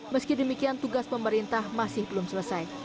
meski demikian tugas pemerintah masih belum selesai